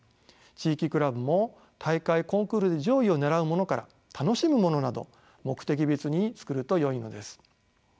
地域クラブも大会・コンクールで上位を狙うものから楽しむものなど目的別に作るとよいのです。